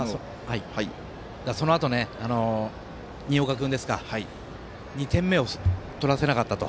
そのあとね、新岡君２点目を取らせなかったと。